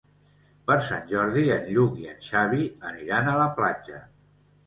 Per Sant Jordi en Lluc i en Xavi aniran a la platja.